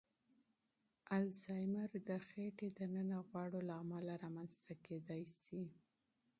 الزایمر د خېټې دننه غوړو له امله رامنځ ته کېدای شي.